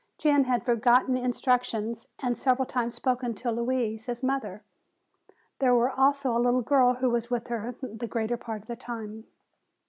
Jan had forgotten instructions and several times spoken to "Louise" as mother. There was also a little girl who was with her the greater part of the time.